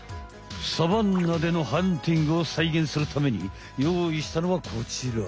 サバンナでのハンティングをさいげんするためによういしたのはこちら。